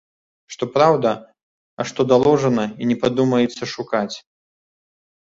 Што праўда, а што даложана, і не падумаецца шукаць.